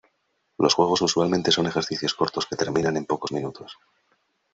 Los juegos usualmente son ejercicios cortos que terminan en pocos minutos.